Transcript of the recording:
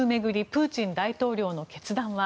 プーチン大統領の決断は。